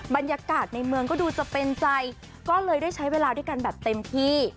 บรรยากาศในเมืองก็ดูจะเป็นใจก็เลยได้ใช้เวลาด้วยกันแบบเต็มที่